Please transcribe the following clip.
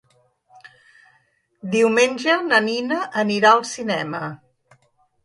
Diumenge na Nina anirà al cinema.